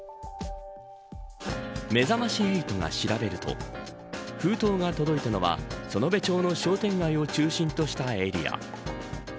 めざまし８が調べると封筒が届いたのは園部町の商店街を中心としたエリア。